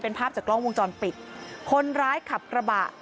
เป็นภาพจากกล้องวงจรปิดคนร้ายขับกระบะ